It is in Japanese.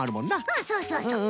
うんそうそうそう。